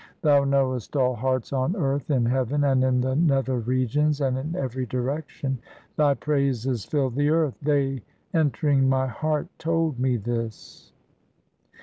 Thou knowest all hearts on earth, in heaven, in the nether regions, and in every direction. Thy praises fill the earth ; they entering my heart told me this.